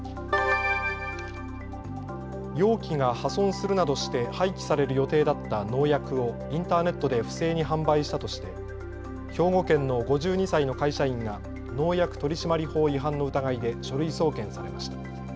容器が破損するなどして廃棄される予定だった農薬をインターネットで不正に販売したとして兵庫県の５２歳の会社員が農薬取締法違反の疑いで書類送検されました。